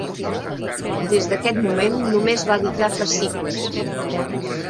Des d'aquest moment, només va editar fascicles.